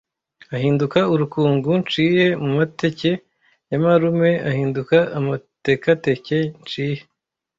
ahinduka urukungu nshiye mu mateke ya marume ahinduka amatekateke nshiye